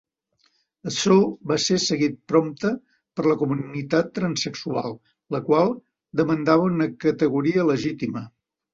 Açò va ser seguit prompte per la comunitat transsexual, la qual demandava una categoria legítima.